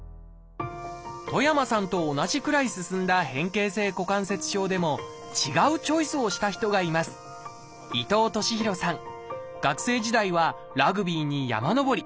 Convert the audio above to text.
戸山さんと同じくらい進んだ変形性股関節症でも違うチョイスをした人がいます学生時代はラグビーに山登り